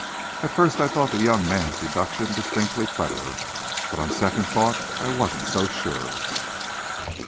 At first I thought the young man's deduction distinctly clever, but on second thought I wasn't so sure.